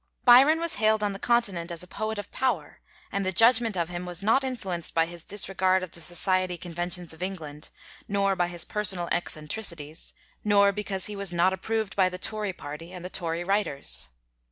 Byron was hailed on the Continent as a poet of power, and the judgment of him was not influenced by his disregard of the society conventions of England, nor by his personal eccentricities, nor because he was not approved by the Tory party and the Tory writers.